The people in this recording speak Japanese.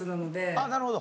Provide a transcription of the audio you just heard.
ああなるほど。